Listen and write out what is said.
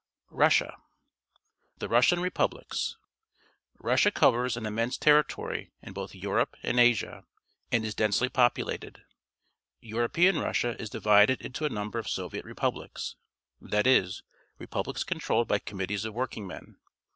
RUSSIA '^'^ C f ^^ The Russian Republics. — Russia covers an immense territory in both Europe and Asia and is densely populated. European Russia is di\aded into a number of Soviet Republics, that is, republics controlled by committees of workingmen.